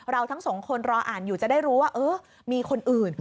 ทั้งสองคนรออ่านอยู่จะได้รู้ว่าเออมีคนอื่น